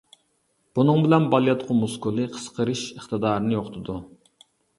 بۇنىڭ بىلەن بالىياتقۇ مۇسكۇلى قىسقىرىش ئىقتىدارىنى يوقىتىدۇ.